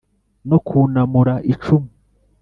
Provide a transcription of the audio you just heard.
no kwunamura icumu